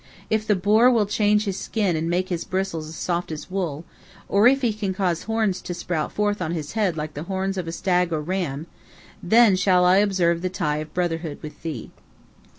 If the boar will change his skin and make his bristles as soft as wool, or if he can cause horns to sprout forth on his head like the horns of a stag or a ram, then shall I observe the tie of brotherhood with thee."